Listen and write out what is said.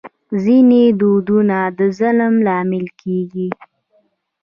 ځینې دودونه د ظلم لامل کېږي.